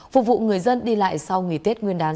phục vụ người dân đi lại sau nghỉ tết nguyên đán